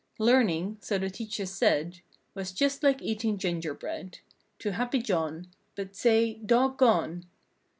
Learning—so the teachers said Was just like eating ginger bread To "Happy John;" But say, dog gone!